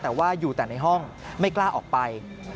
แต่ว่าอยู่แต่ในห้องไม่กล้าออกไป